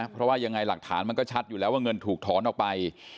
เพราะว่ายังไงหลักฐานมันก็ชัดอยู่แล้วว่าเงินถูกถอนออกไป